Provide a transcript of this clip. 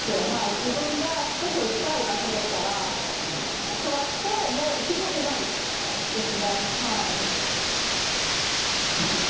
自分がすごく近い場所ですから、怖くて、もう行きたくないですね。